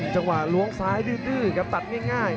จังหวังลวงซ้ายดื้อตัดง่าย